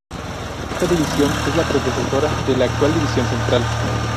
Esta división es la predecesora de la actual División Central.